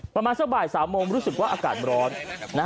ประมาณสักบ่าย๓โมงรู้สึกว่าอากาศร้อน